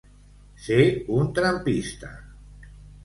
Ser un trampista.